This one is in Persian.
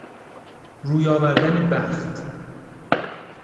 روی آوردن بخت